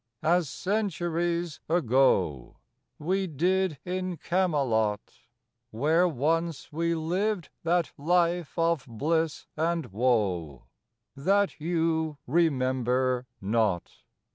As centuries ago We did in Camelot; Where once we lived that life of bliss and woe, That you remember not.